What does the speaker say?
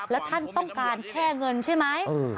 แล้วท่านต้องการแค่เงินใช่ไหม